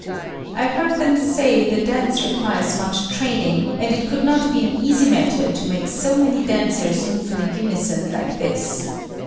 I heard them say the dance requires much training, and it could not be an easy matter to make so many dancers move in a unison like this.